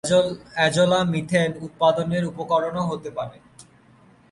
Azolla methane উৎপাদনের উপকরণও হতে পারে।